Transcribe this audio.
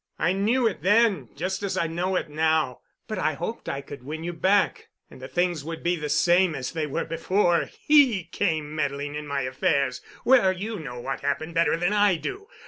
I knew it then just as I know it now, but I hoped I could win you back and that things would be the same as they were before he came meddling in my affairs. Well, you know what happened better than I do.